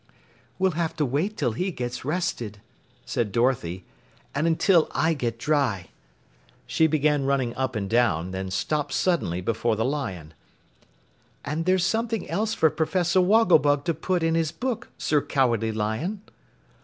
"We'll have to wait till he gets rested," said Dorothy. "And until I get dry." She began running up and down, then stopped suddenly before the Lion. "And there's something else for Professor Wogglebug to put in his book, Sir Cowardly Lion."